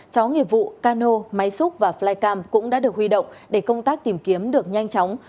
chó nghiệp vụ cano máy xúc và flycam cũng đã được huy động để công tác tìm kiếm được nhanh chóng